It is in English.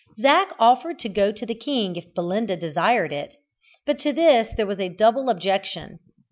Zac offered to go to the king if Belinda desired it, but to this there was a double objection.